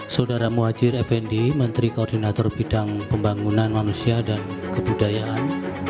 saudara muhajir effendi menteri koordinator bidang pembangunan manusia dan kebudayaan